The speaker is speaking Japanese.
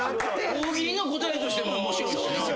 大喜利の答えとしても面白いしな。